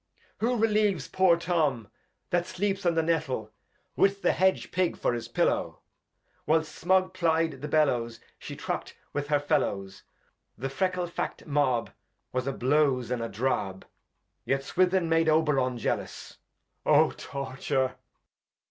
Edg. Who relieves poor Tom, that sleeps on the JS"ettle, with the Hedge Pig for his PiUow. Whilst Smug ply'd the Bellows She truckt with her FeUows, The Freckle Fac't Mab Was a Blouze, and a Drab, Yet Swithin made Oberon jealous. Oh! Torture.